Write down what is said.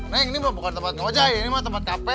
neng ini mah bukan tempat ngoboy ini mah tempat kafe